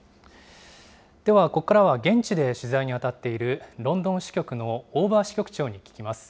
では、ここからは現地で取材に当たっているロンドン支局の大庭支局長に聞きます。